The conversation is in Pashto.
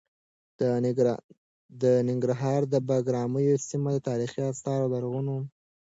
د ننګرهار د بګراميو سیمه د تاریخي اثارو او لرغونو موندنو بډایه خزانه ده.